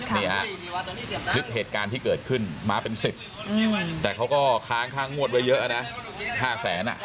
นี่ฮะคลิปเหตุการณ์ที่เกิดขึ้นมาเป็น๑๐แต่เขาก็ค้างค่างวดไว้เยอะนะ๕แสนอ่ะ